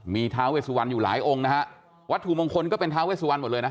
มีท้าเวสุวรรณอยู่หลายองค์นะฮะวัตถุมงคลก็เป็นท้าเวสุวรรณหมดเลยนะ